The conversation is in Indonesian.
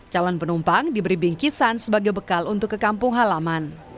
calon penumpang diberi bingkisan sebagai bekal untuk ke kampung halaman